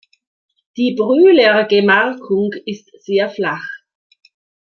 Die Brühler Gemarkung ist sehr flach.